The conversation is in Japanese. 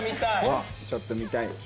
ちょっと見たい。